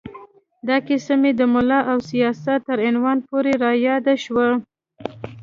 دا کیسه مې د ملا او سیاست تر عنوان پورې را یاده شوه.